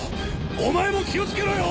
お前も気を付けろよ。